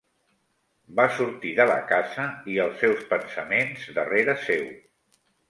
Va sortir de la casa i els seus pensaments darrere seu.